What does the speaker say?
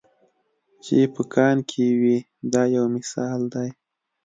چې په کان کې وي دا یو مثال دی.